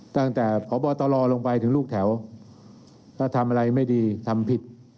ตั้งแต่พบตรลงไปถึงลูกแถวถ้าทำอะไรไม่ดีทำผิด